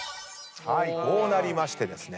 こうなりましてですね。